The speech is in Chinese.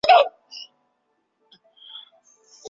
翘距根节兰为兰科节兰属下的一个种。